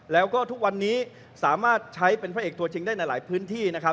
แล้วก็ทุกวันนี้สามารถใช้เป็นพระเอกตัวจริงได้ในหลายพื้นที่นะครับ